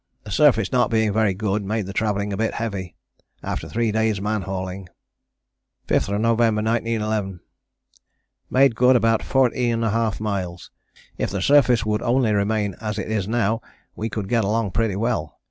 The surface not being very good made the travelling a bit heavy. "After three days' man hauling. "5th November 1911. "Made good about 14½ miles, if the surface would only remain as it is now we could get along pretty well.